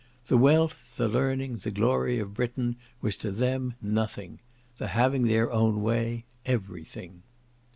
The wealth, the learning, the glory of Britain, was to them nothing; the having their own way every thing.